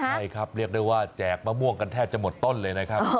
ใช่ครับเรียกได้ว่าแจกมะม่วงกันแทบจะหมดต้นเลยนะครับ